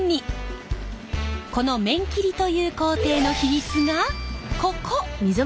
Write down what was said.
この麺切りという工程の秘密がここ！